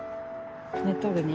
寝とるね。